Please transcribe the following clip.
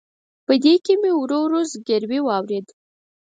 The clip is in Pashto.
په دې کې مې ورو ورو زګیروي واورېد.